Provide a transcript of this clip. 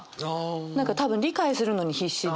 何か多分理解するのに必死で。